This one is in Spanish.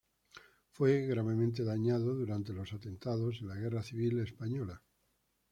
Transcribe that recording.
Fue gravemente dañado durante los atentados en la Guerra Civil Española.